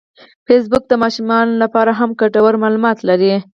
فېسبوک د ماشومانو لپاره هم ګټور معلومات لري